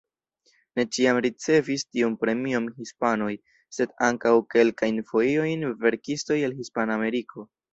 Ne ĉiam ricevis tiun premion hispanoj, sed ankaŭ kelkajn fojojn verkistoj el Hispanameriko.